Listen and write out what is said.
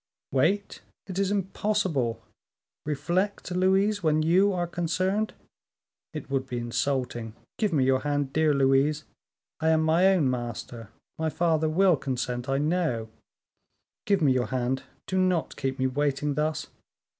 "Wait! it is impossible. Reflect, Louise, when you are concerned! it would be insulting, give me your hand, dear Louise; I am my own master. My father will consent, I know; give me your hand, do not keep me waiting thus.